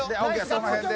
その辺で。